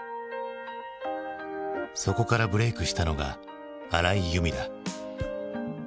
そこからブレークしたのが荒井由実だ。